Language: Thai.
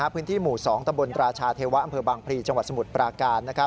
พื้นที่หมู่๒ตำบลราชาเทวะอำเภอบางพลีจังหวัดสมุทรปราการ